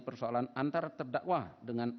persoalan antar terdakwa dengan